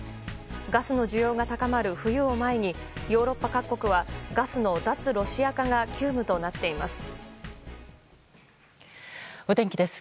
ガスの需要が高まる冬を前にヨーロッパ各国はガスの脱ロシア化が急務となっています。